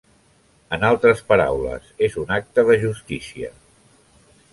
En altres paraules, és un acte de justícia.